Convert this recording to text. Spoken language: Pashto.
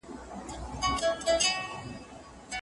ورزش کول د سهار لخوا ډېر ګټور دی.